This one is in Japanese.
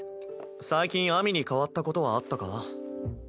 最近秋水に変わったことはあったか？